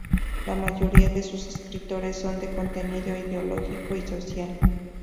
La mayoría de sus escritos son de contenido ideológico y social.